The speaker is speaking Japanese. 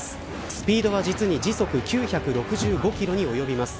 スピードが実に時速９６５キロに及びます。